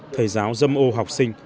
thầy giáo dâm ô học sinh